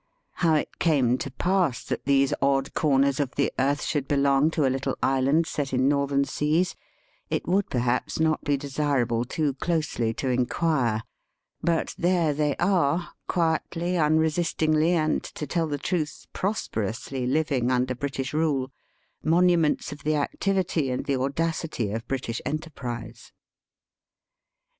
How^ it came to pass that these odd corners of the earth should belong to a little island set in northern seas, it would perhaps not be desir able too closely to inquire. But there they are, quietly, unresistingly, and, to tell the truth, prosperously living under British rule,, monuments of the activity and the audacity of British enterprise.